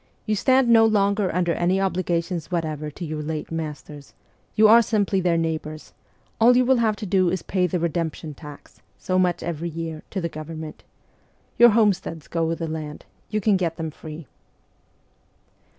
You stand no longer under any obligations whatever to your late masters : you are simply their neighbours ; all you will have to do is to pay the redemption tax, so much every year, to the Government. Your homesteads go with the land : you get them free."